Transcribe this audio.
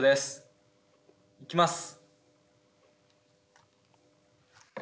いきます！